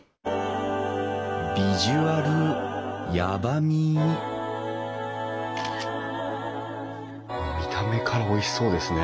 ビジュアルやばみ見た目からおいしそうですね。